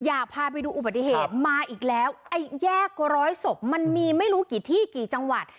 อยากพาไปดูอุบัติเหตุมาอีกแล้วไอ้แยกร้อยศพมันมีไม่รู้กี่ที่กี่จังหวัด